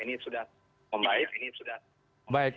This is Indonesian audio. iya ini sudah membaik